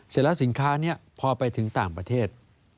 เสร็จแล้วสินค้านี้พอไปถึงต่างประเทศ